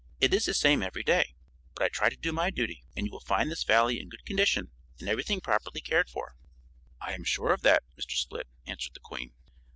It is the same every day, but I try to do my duty, and you will find this Valley in good condition and everything properly cared for." "I am sure of that, Mr. Split," answered the Queen.